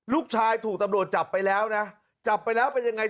ลูกชายถูกตำรวจจับไปแล้วนะจับไปแล้วเป็นยังไง